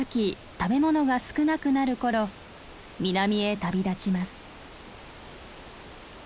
食べ物が少なくなる頃南へ旅立ちます。